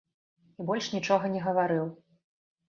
І больш нічога не гаварыў.